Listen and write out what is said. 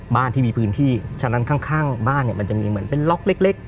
บ้านที่มีพื้นที่ฉะนั้นข้างบ้านเนี่ยมันจะมีเหมือนเป็นล็อกเล็ก